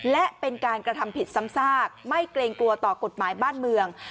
และเป็นการกระทำผิดซ้ำซากไม่เกรงกลัวต่อกฎหมายบ้านเมือง